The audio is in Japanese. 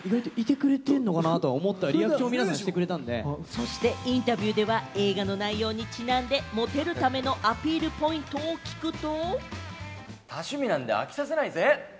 そしてインタビューでは、映画の内容にちなんで、モテるためのアピールポイントを聞くと。